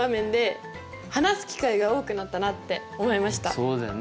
そうだよね。